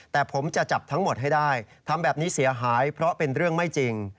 แต่ผมจะจับทั้งหมดให้ได้ทำแบบนี้เสียหายเพราะเป็นเรื่องไม่จริง